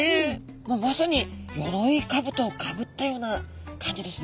もうまさによろいかぶとをかぶったような感じですね。